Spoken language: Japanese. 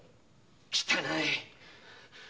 汚い！